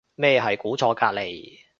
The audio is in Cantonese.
咩係估錯隔離